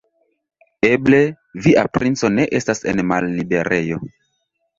Eble, via princo ne estas en malliberejo.